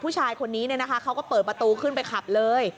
ผู้ชายคนนี้เขาก็เปิดประตูขึ้นไปขับเลย